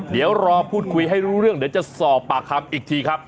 เดี๋ยวรอพูดคุยให้รู้เรื่องเดี๋ยวจะสอบปากคำอีกทีครับ